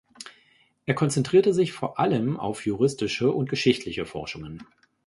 Er konzentrierte sich vor allem auf juristische und geschichtliche Forschungen.